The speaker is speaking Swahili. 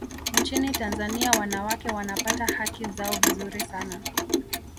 nchini tanzania wanawake wanapata haki zao vizuri sana